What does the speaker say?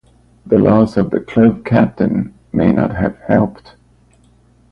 The loss of the club captain may not have helped.